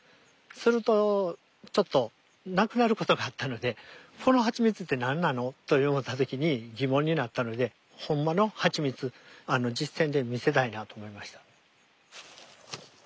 するとちょっと亡くなることがあったのでこのハチミツって何なの？と思った時に疑問になったのでほんまのハチミツ実践で見せたいなと思いました。